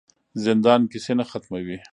زندان کیسې نه ختموي.